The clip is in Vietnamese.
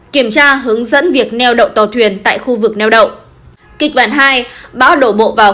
kiểm tra hướng dẫn việc neo đậu tàu thuyền tại khu vực neo đậu